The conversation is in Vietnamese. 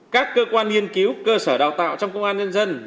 các cơ quan nghiên cứu cơ sở đào tạo trong công an nhân dân